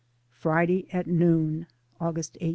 Friday, at noon, August i8.